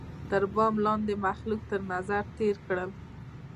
تر بام لاندي یې مخلوق تر نظر تېر کړ